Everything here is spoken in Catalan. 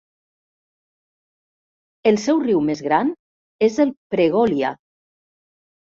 El seu riu més gran és el Pregolya.